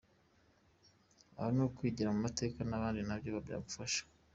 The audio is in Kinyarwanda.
Aha no kwigira ku mateka y’abandi nabyo byagufasha!.